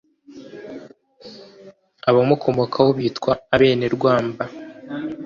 aba mukomokaho bitwa abenerwamba.